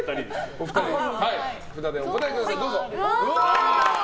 お二人、札でお答えください。